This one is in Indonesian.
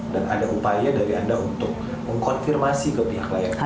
dan ada upaya dari anda untuk mengkonfirmasi ke pihak lion air